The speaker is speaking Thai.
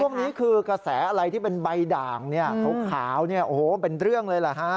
ช่วงนี้คือกระแสอะไรที่เป็นใบด่างเขาขาวเป็นเรื่องเลย